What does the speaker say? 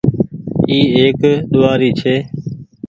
اي ايڪ ڏوهآري ڇي۔